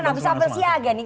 semangat bisa bersiaga nih